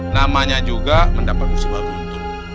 namanya juga mendapat musibah buntu